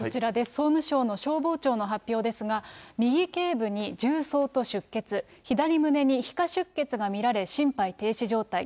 総務省の消防庁の発表ですが、右けい部に銃創と出血、左胸に皮下出血が見られ、心肺停止状態。